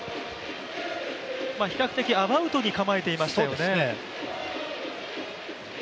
比較的アバウトに構えていましたよね。